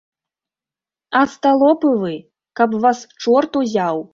Асталопы вы, каб вас чорт узяў!